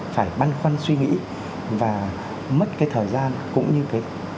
phải băn khoăn suy nghĩ và mất cái thời gian cũng như cái sức khỏe